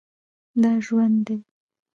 دا ژوندی دی